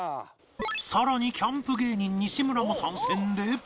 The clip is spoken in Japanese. さらにキャンプ芸人西村も参戦で